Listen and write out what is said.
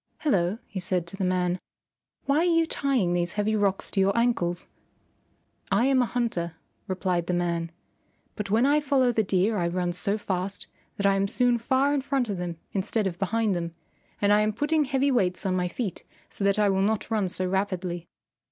"Hello," he said to the man, "why are you tying these heavy rocks to your ankles?" "I am a hunter," replied the man, "but when I follow the deer I run so fast that I am soon far in front of them instead of behind them, and I am putting heavy weights on my feet so that I will not run so rapidly."